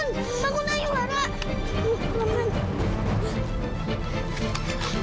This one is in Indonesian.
eh jangan digoyang goyangin